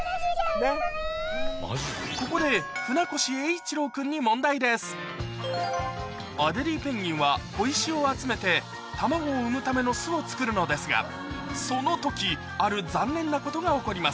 ここで船越英一郎君にアデリーペンギンは小石を集めて卵を産むための巣を作るのですがその時あるざんねんなことが起こります